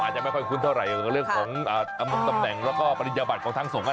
อ้ออาจจะไม่ค่อยคุ้นเท่าไหร่เรื่องของตำแหน่งและปริญญาบัติของทางสงฆ์นะ